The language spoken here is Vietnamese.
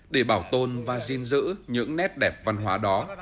để bảo tồn và gìn giữ những nét đẹp văn hóa đó